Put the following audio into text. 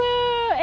え！